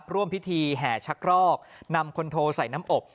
ร่วมพิธีแห่ชักรอกนำคนโทใส่น้ำอบ